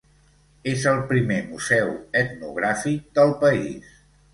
És el primer museu etnogràfic del país.